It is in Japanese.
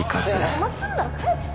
邪魔すんなら帰って